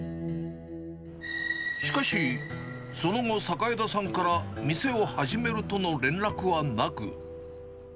しかし、その後、榮田さんから店を始めるとの連絡はなく。